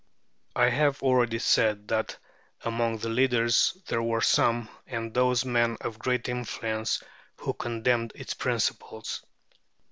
I have already said that among the leaders there were some, and those men of great influence, who condemned its principles.